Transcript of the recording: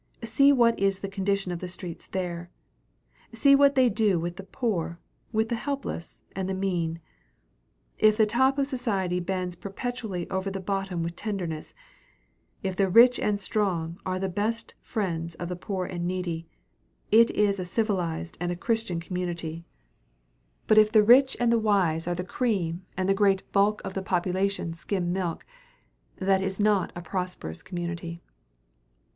See what is the condition of the streets there. See what they do with the poor, with the helpless, and the mean. If the top of society bends perpetually over the bottom with tenderness, if the rich and strong are the best friends of the poor and needy, that is a civilized and a Christian community; but if the rich and the wise are the cream and the great bulk of the population skim milk, that is not a prosperous community.